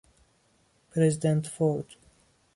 پرزیدنت فورد